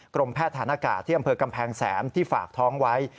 กรมแพทย์ฐานอากาศที่อำเภอกำแพงแสนที่ฝากท้องไว้